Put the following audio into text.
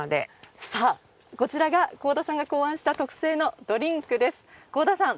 こちらが神田さんが考案した特製のドリンクです。